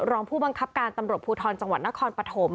รองผู้บังคับการตำรวจภูทรจังหวัดนครปฐม